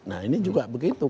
nah ini juga begitu